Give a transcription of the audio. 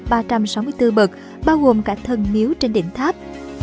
ba trăm sáu mươi bốn bậc bao gồm cả thần miếu trên đỉnh tháp